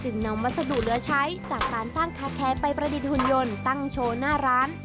นำวัสดุเหลือใช้จากการสร้างคาแคร์ไปประดิษฐหุ่นยนต์ตั้งโชว์หน้าร้าน